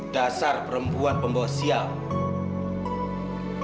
dasar perempuan pembawa siang